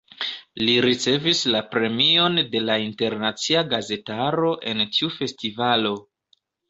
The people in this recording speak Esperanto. Li ricevis la premion de la internacia gazetaro en tiu festivalo.